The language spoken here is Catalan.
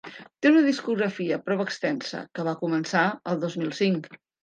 Té una discografia prou extensa, que va començar el dos mil cinc.